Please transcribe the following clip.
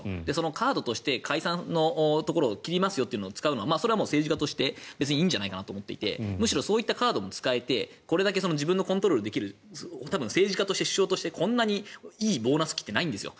カードとして解散のところを切りますとつかうのはそれは政治家として別にいいんじゃないかなと思っていてむしろそういうカードも使えて自分のコントロールできる政治家として、首相としてこんなにいいボーナス期ってないんですよ。